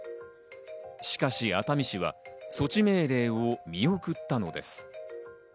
しかし熱海市は措置命令を見送ったのです。